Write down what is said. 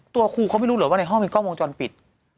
ตัวครูเขาไม่รู้เหรอว่าในห้องมีกล้องวงจรปิด